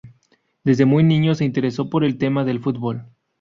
Desde muy niño se interesó por el tema del fútbol.